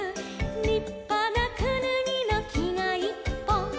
「りっぱなくぬぎのきがいっぽん」